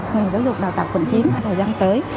ngành giáo dục đào tạo quận chín thời gian tới